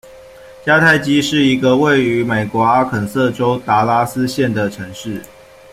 迦太基是一个位于美国阿肯色州达拉斯县的城市。